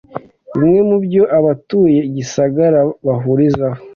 Bimwe mubyo abatuye Gisagara bahurizaho